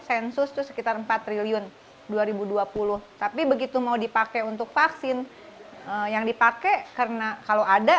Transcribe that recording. sensus itu sekitar empat triliun dua ribu dua puluh tapi begitu mau dipakai untuk vaksin yang dipakai karena kalau ada